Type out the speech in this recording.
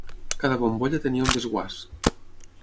Cada bombolla tenia un desguàs.